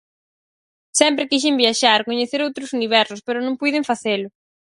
Sempre quixen viaxar, coñecer outros universos: pero non puiden facelo.